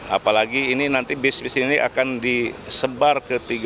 apalagi ini nanti bisnis ini akan disebarkan